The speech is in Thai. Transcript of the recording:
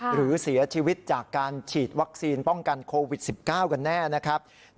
หรือเสียชีวิตจากการฉีดวัคซีนป้องกันโควิด๑๙กันแน่นะครับ